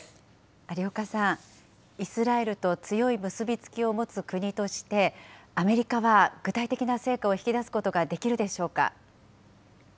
有岡さん、イスラエルと強い結び付きを持つ国として、アメリカは具体的な成果を引き出すことはできるでしょうか。